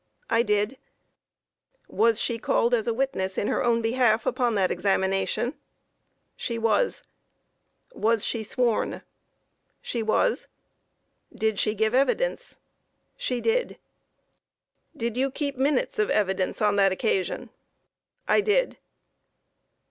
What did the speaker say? A. I did Q. Was she called as a witness in her own behalf upon that examination? A. She was. Q. Was she sworn? A. She was. Q. Did she give evidence? A. She did. Q. Did you keep minutes of evidence on that occasion? A. I did.